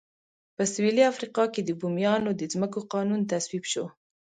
په سوېلي افریقا کې د بومیانو د ځمکو قانون تصویب شو.